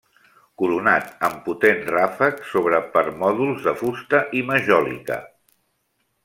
Coronat amb potent ràfec sobre permòdols de fusta i majòlica.